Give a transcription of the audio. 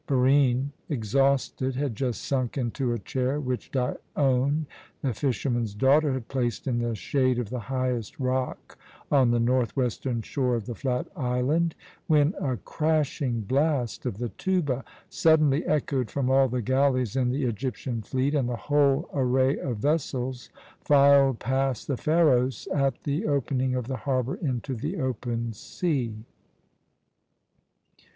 Barine, exhausted, had just sunk into a chair which Dione, the fisherman's daughter, had placed in the shade of the highest rock on the northwestern shore of the flat island, when a crashing blast of the tuba suddenly echoed from all the galleys in the Egyptian fleet, and the whole array of vessels filed past the Pharos at the opening of the harbour into the open sea.